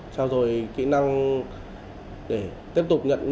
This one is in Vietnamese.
sau rồi kỹ năng để tiếp tục nhận